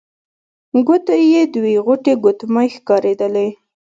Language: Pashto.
ګوتو يې دوې غټې ګوتمۍ ښکارېدلې.